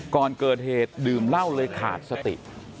ก่อนเกิดเหตุดื่มเหล้าเลยขาดสติ